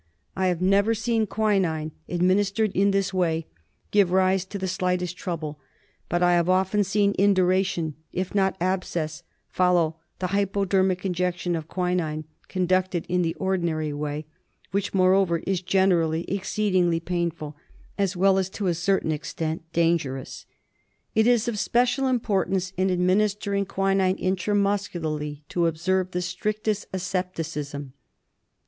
I have never seen quinine administered in this way give rise to the slightest trouble ; but I have often seen induration, if not abscess, follow the hypo dermic injection of quinine conducted in the ordinary way, which, moreover, is generally exceedingly painful as well as to a certain extent dangerous. It is of special importance in administering quinine igS TREATMENT OF intramuscularly to observe the strictest asepticism.